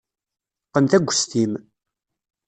Qqen taggest-im.